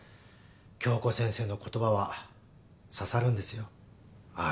今日子先生の言葉は刺さるんですよああ